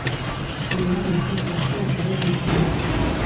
Il est un des précurseurs du Réveil sourd.